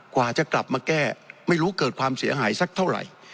กว่าจะกลับมาแก้ไม่รู้เกิดความเสียหายสักเท่าไหร่